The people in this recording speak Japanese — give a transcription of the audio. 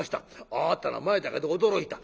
あなたの前だけど驚いた。